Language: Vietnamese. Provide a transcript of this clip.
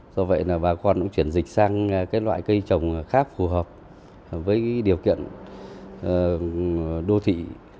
do vậy là bà con cũng chuyển dịch sang loại cây trồng khác phù hợp với điều kiện đô thị